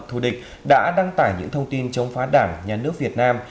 thù địch đã đăng tải những thông tin chống phá đảng nhà nước việt nam